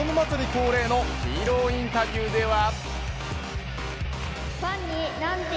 恒例のヒーローインタビューでは。